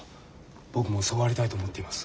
僕もそうありたいと思っています。